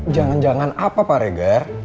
jangan jangan apa pak regar